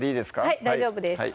はい大丈夫です